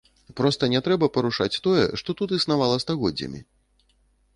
Проста не трэба парушаць тое, што тут існавала стагоддзямі.